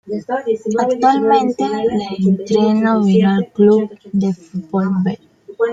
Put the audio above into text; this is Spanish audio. Actualmente entrena al Villarreal Club de Fútbol "B".